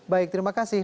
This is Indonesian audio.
baik terima kasih